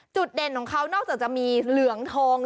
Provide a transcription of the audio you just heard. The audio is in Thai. เด่นของเขานอกจากจะมีเหลืองทอง